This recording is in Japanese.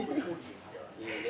いいね